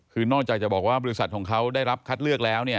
คือนอกจากจะบอกว่าบริษัทของเขาได้รับคัดเลือกแล้วเนี่ย